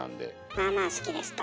「まあまあ好きです」と。